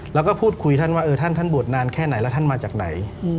แล้วก็พูดคุยท่านว่าท่านท่านบวชนานแค่ไหนแล้วท่านมาจากไหน